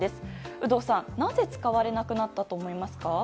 有働さんなぜ使われなくなったと思いますか？